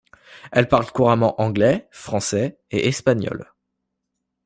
Elle parle couramment anglais, français et espagnol.